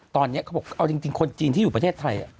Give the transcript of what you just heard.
ตอนนี้เขาบอกเอาจริงคนจีนที่อยู่ประเทศไทย